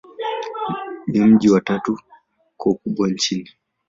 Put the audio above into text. Ni mji wa tatu kwa ukubwa nchini.